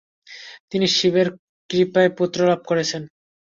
তিনি শিবের কৃপায় পুত্রলাভ করেছেন।